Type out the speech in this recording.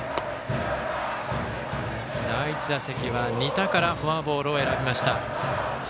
第１打席は仁田からフォアボールを選びました。